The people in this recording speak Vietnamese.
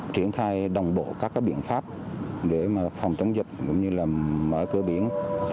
triển khai đồng bộ các biện pháp để phòng tấn dịch cũng như mở cửa biển